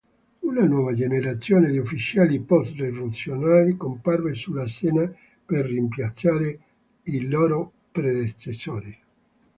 Una nuova generazione di ufficiali post-rivoluzionari comparve sulla scena per rimpiazzare i loro predecessori.